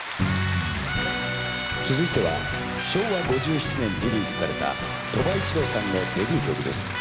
続いては昭和５７年にリリースされた鳥羽一郎さんのデビュー曲です。